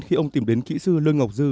khi ông tìm đến kỹ sư lương ngọc dư